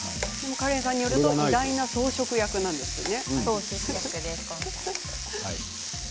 カレンさんによると偉大な装飾役なんですね。